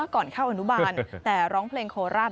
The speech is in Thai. ก่อนเข้าอนุบาลแต่ร้องเพลงโคราช